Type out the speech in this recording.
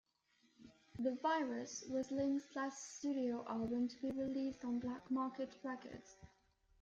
"The Virus" was Lynch's last studio album to be released on Black Market Records.